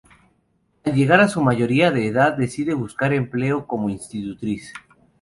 Al llegar a su mayoría de edad, decide buscar empleo como institutriz.